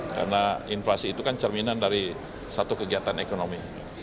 karena inflasi itu kan cerminan dari satu kegiatan ekonomi